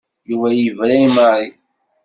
Yuba yebra i Mary.